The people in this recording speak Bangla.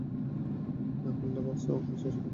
আপনি না করলে, কাজটা আমিই শেষ করব!